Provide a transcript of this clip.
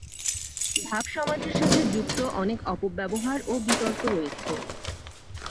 ভাব সমাধির সাথে যুক্ত অনেক অপব্যবহার ও বিতর্ক রয়েছে।